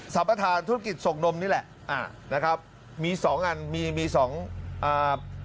ประธานธุรกิจส่งนมนี่แหละอ่านะครับมีสองอันมีมีสองอ่า